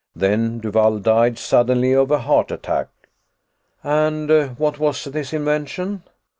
Then Duvall died suddenly of a heart attack." "And what was this invention?"